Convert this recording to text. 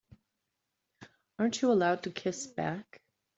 Aren't you allowed to kiss back?